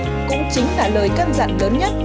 đoàn kết cũng chính là lời căn dặn lớn nhất